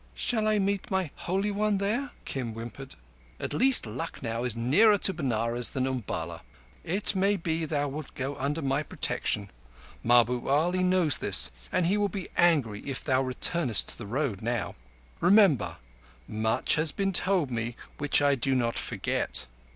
"Shall I meet my Holy One there?" Kim whimpered. "At least Lucknow is nearer to Benares than Umballa. It may be thou wilt go under my protection. Mahbub Ali knows this, and he will be angry if thou returnest to the Road now. Remember—much has been told me which I do not forget."